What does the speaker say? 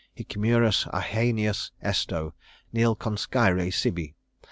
_Hic murus aheneus esto, nil conscire sibi.